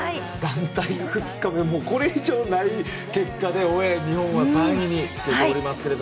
団体２日目、これ以上ない結果で日本は３位につけています。